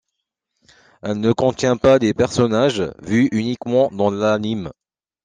Elle ne contient pas les personnages vus uniquement dans l'anime.